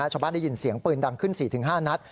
ชาวบ้านได้ยินเสียงปืนดังขึ้น๔๕นัด